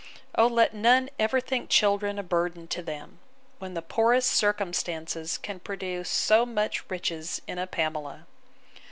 O let none ever think children a burden to them; when the poorest circumstances can produce so much riches in a Pamela!